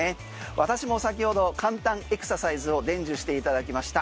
私も先ほど簡単エクササイズを伝授していただきました。